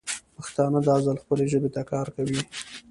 پښتانه دا ځل خپلې ژبې ته کار کوي.